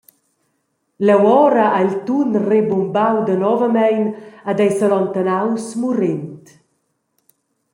Leuora ha il tun rebumbau danovamein ed ei s’allontanaus murend.